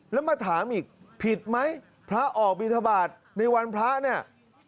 แล้วมาถามอีกผิดไหมพระออกบินทบาทในวันพระเนี่ย